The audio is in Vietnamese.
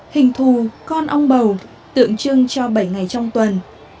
hình thù con ong bầu tượng trưng cho bảy ngày trong tuần